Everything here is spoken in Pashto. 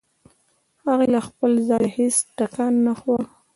هغې له خپل ځايه هېڅ ټکان نه خوړ.